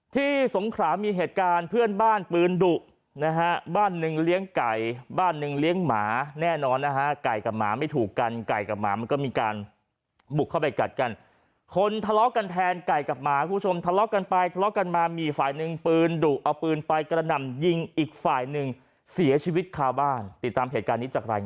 สงขรามีเหตุการณ์เพื่อนบ้านปืนดุนะฮะบ้านหนึ่งเลี้ยงไก่บ้านหนึ่งเลี้ยงหมาแน่นอนนะฮะไก่กับหมาไม่ถูกกันไก่กับหมามันก็มีการบุกเข้าไปกัดกันคนทะเลาะกันแทนไก่กับหมาคุณผู้ชมทะเลาะกันไปทะเลาะกันมามีฝ่ายหนึ่งปืนดุเอาปืนไปกระหน่ำยิงอีกฝ่ายหนึ่งเสียชีวิตคาบ้านติดตามเหตุการณ์นี้จากรายงาน